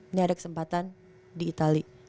ini ada kesempatan di itali